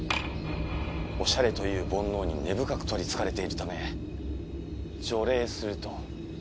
おしゃれという煩悩に根深く取り憑かれているため除霊すると。